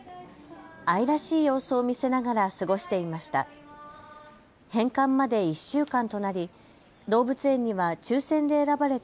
愛らしい様子を見せながら過ごしていました。